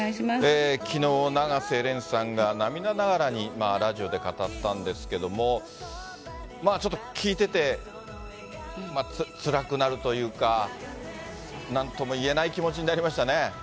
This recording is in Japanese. きのう、永瀬廉さんが涙ながらにラジオで語ったんですけども、ちょっと聞いててつらくなるというか、なんとも言えない気持ちになりましたね。